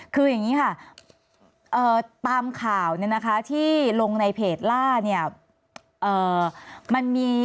คืออย่างนี้ค่ะตามข่าวที่ลงในเพจล่า